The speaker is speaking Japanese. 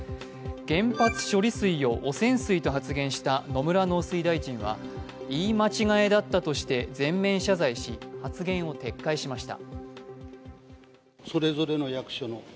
原発処理水を汚染水と発言した野村農水大臣は言い間違えだったとして全面謝罪し発言を撤回しました。